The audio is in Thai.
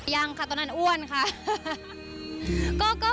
ยังค่ะตอนนั้นอ้วนค่ะ